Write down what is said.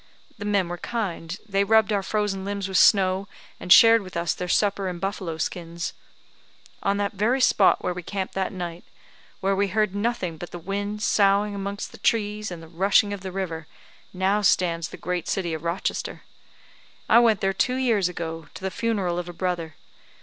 The men were kind; they rubbed our frozen limbs with snow, and shared with us their supper and buffalo skins. On that very spot where we camped that night, where we heard nothing but the wind soughing amongst the trees, and the rushing of the river, now stands the great city of Rochester. I went there two years ago, to the funeral of a brother.